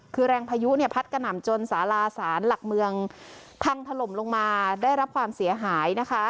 คือแรงพายุเนี่ยพัดกระหน่ำจนสาลาศาลหลักเมืองพังถล่มลงมาได้รับความเสียหายนะคะ